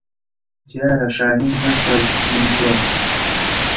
دیارە شاھین هێشتا زیندووە.